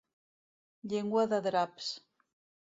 Llengua de draps.